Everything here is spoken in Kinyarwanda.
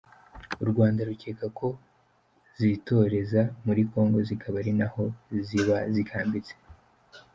U Rwanda rukeka ko zitoreza muri Congo zikaba ari naho zaba zikambitse.